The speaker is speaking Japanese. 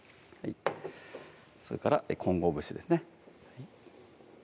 それから混合節ですね